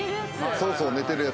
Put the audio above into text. そうそう寝てるやつ。